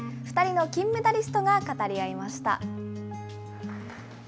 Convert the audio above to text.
２人の金メダリストが語り合いました。